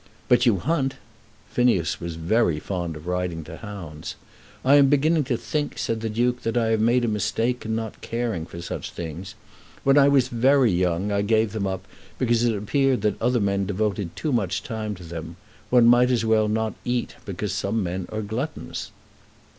"But you hunt." Phineas was very fond of riding to hounds. "I am beginning to think," said the Duke, "that I have made a mistake in not caring for such things. When I was very young I gave them up, because it appeared that other men devoted too much time to them. One might as well not eat because some men are gluttons."